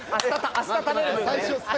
「明日食べる分」。